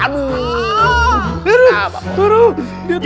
aduh aduh dia ternyata